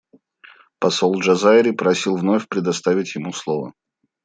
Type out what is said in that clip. Посол Джазайри просил вновь предоставить ему слово.